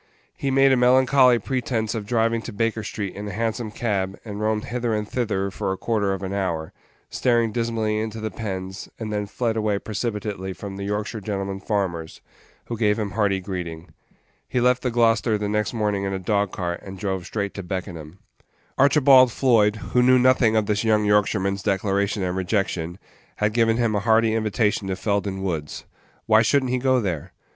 He made a melancholy pretence of driving to Baker street in a Hansom cab, and roamed hither and thither for a quarter of an hour, staring dismally into the pens, and then fled away precipitately from the Yorkshire gentlemen farmers, who gave him hearty greeting. He left the Gloucester the next morning in a dog cart, and drove straight to Beckenham. Archibald Floyd, who knew nothing of this young Yorkshireman's declaration and rejection, had given him a hearty invitation to Felden Page 39 Woods. Why should n't he go there?